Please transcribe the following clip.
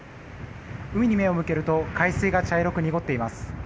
海に目を向けると海水が茶色く濁っています。